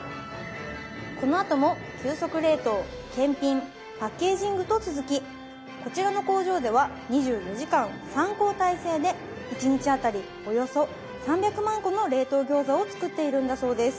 このあとも急速冷凍検品パッケージングと続きこちらの工場では２４時間３交代制で１日あたりおよそ３００万個の冷凍餃子を作っているんだそうです。